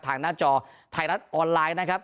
หน้าจอไทยรัฐออนไลน์นะครับ